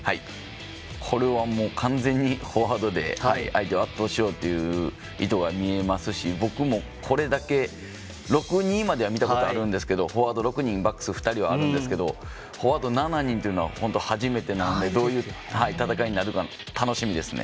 これは、もう完全にフォワードで相手を圧倒しようという意図が見えますし僕もこれだけ６−２までは見たことはあるんですけどフォワード７人というのは初めてなんでどういう戦いになるか楽しみですね。